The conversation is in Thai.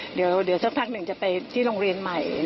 เดี๋ยวสักพักหนึ่งจะไปที่โรงเรียนใหม่